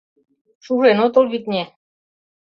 — Шужен отыл, витне?